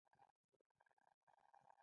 ایا زه سګرټ څکولی شم؟